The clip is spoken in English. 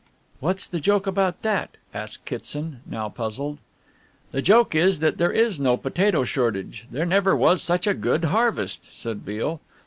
"What's the joke about that?" asked Kitson, now puzzled. "The joke is that there is no potato shortage there never was such a good harvest," said Beale.